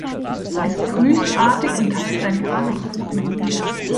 Es grüßt artig und teilt sein karges Brot mit ihnen.